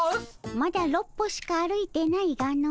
まだ６歩しか歩いてないがの。